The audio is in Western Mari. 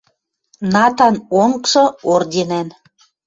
Натан онгжы орденӓн.